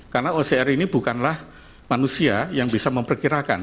karena ocr ini bukanlah manusia yang bisa memperkirakan